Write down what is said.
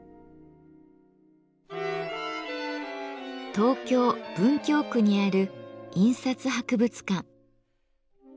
東京・文京区にある印刷博物館。